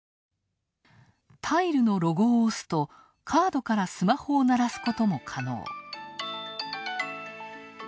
タイルのロゴを押すと、カードからスマホを鳴らすことも可能。